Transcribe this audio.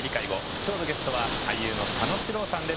今日のゲストは俳優の佐野史郎さんです。